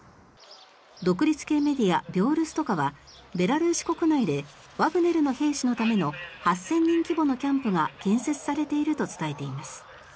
独立系メディアビョールストカはベラルーシ国内でワグネルの兵士のための８０００人規模のキャンプが建設されていると伝えています。